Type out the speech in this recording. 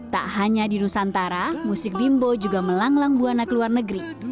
tak hanya di nusantara musik bimbo juga melanglang buana ke luar negeri